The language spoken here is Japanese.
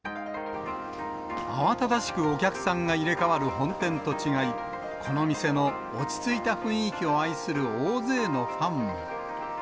慌ただしくお客さんが入れ代わる本店と違い、この店の落ち着いた雰囲気を愛する大勢のファンも。